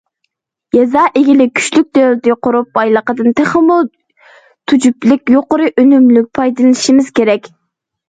يېزا ئىگىلىك كۈچلۈك دۆلىتى قۇرۇپ، بايلىقتىن تېخىمۇ تۈجۈپىلىك، يۇقىرى ئۈنۈملۈك پايدىلىنىشىمىز كېرەك.